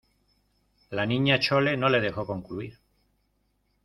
la Niña Chole no le dejó concluir: